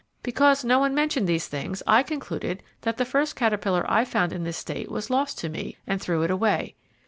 Because no one mentioned these things, I concluded that the first caterpillar I found in this state was lost to me and threw it away.